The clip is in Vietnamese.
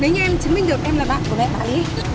nếu như em chứng minh được em là bạn của mẹ bà ấy